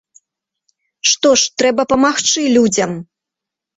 Што ж, трэба памагчы людзям.